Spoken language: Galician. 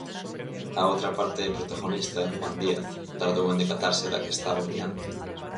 A outra parte protagonista, Juan Díaz, tardou en decatarse da que estaban liando.